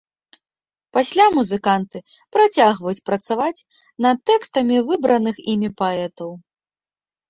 Пасля музыканты працягваюць працаваць над тэкстамі выбраных імі паэтаў.